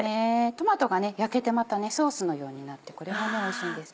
トマトが焼けてまたソースのようになってこれもおいしいんです